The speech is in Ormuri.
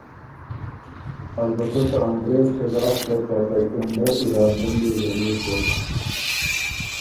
البتۀ ته انګرېز خلاف ته پراپېګنډه اراده ن يې ضرور بُک۔